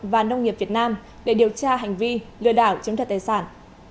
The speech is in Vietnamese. và nông nghiệp việt nam để điều tra hành vi lừa đảo chứng thật tài sản